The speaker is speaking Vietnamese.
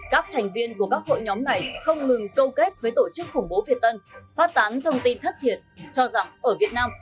các thành viên của các hội nhóm này không ngừng câu kết với tổ chức khủng bố việt tân phát tán thông tin thất thiệt cho rằng ở việt nam